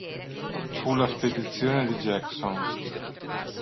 Fu la spedizione di Jackson.